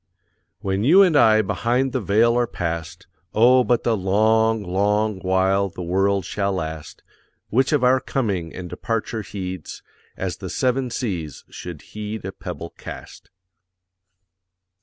When you and I behind the Veil are past, Oh but the long, long while the world shall last, Which of our coming and departure heeds, As the seven seas should heed a pebble cast.